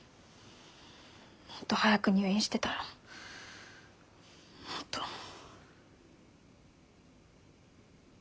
もっと早く入院してたらもっと。